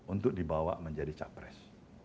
untuk dibawa menjadi capres